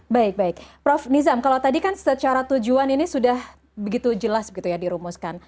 baik baik prof nizam kalau tadi kan secara tujuan ini sudah begitu jelas gitu ya dirumuskan